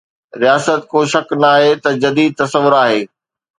رياست ڪو شڪ ناهي ته جديد تصور آهي.